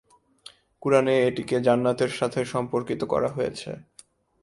কুরআনে এটিকে জান্নাতের সাথে সম্পর্কিত করা হয়েছে।